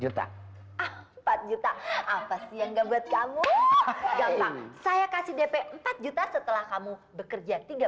juta empat juta apa sih yang enggak buat kamu gampang saya kasih dp empat juta setelah kamu bekerja tiga